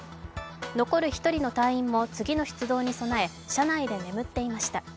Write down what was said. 残る１人の隊員も次の出動に備え車内で眠っていました。